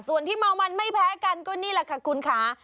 ส่วนที่เมามันไม่แพ้กันก็นี่แหละค่ะคุณค่ะ